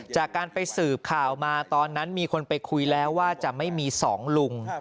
จากการไปสืบข่าวมาตอนนั้นมีคนไปคุยแล้วว่าจะไม่มีสองลุง